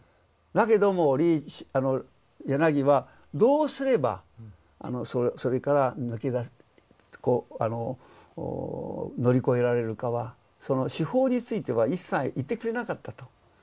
だけども柳はどうすればそれから乗り越えられるかはその手法については一切言ってくれなかったと。